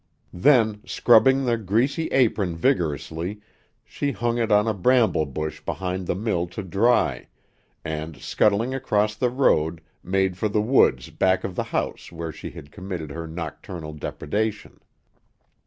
Then, scrubbing the greasy apron vigorously, she hung it on a bramble bush behind the mill to dry, and scuttling across the road, made for the woods back of the house where she had committed her nocturnal depredation.